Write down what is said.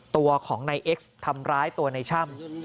ตัวของนายเอ็กซ์ทำร้ายตัวในช่ำ